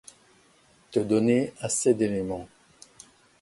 Te donner assez d’éléments.